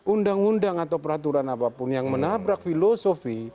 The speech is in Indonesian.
undang undang atau peraturan apapun yang menabrak filosofi